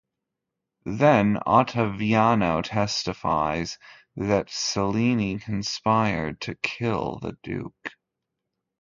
Then Ottaviano testifies that Cellini conspired to kill the Duke.